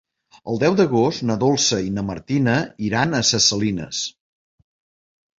El deu d'agost na Dolça i na Martina iran a Ses Salines.